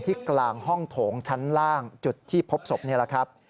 กลางห้องโถงชั้นล่างจุดที่พบศพนี่แหละครับ